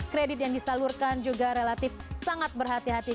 kredit yang disalurkan juga relatif sangat berhati hati